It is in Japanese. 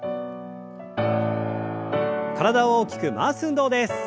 体を大きく回す運動です。